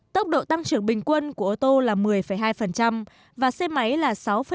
tốc độ tăng trưởng bình quân của ô tô là một mươi hai và xe máy là sáu tám